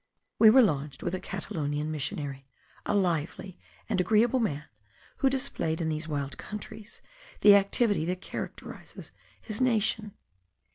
We were lodged with a Catalonian missionary, a lively and agreeable man, who displayed in these wild countries the activity that characterises his nation.